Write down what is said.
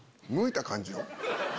むいた感じを？